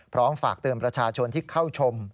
พร้อมฝากเตือนประชาชนที่เข้าชม